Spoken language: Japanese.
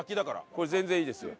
これ全然いいですよ。